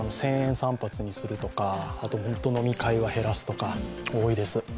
散髪にするとか飲み会は減らすとか、多いです。